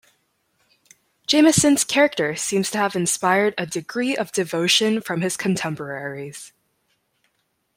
Jameson's character seems to have inspired a degree of devotion from his contemporaries.